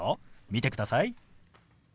見てください。